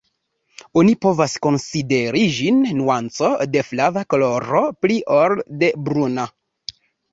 Oni povas konsideri ĝin nuanco de flava koloro pli ol de bruna.